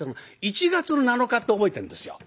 １月の７日って覚えてんですよ。